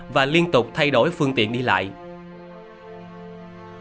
và liên tục thay đổi phương tiện ô tô theo đường chính ngạch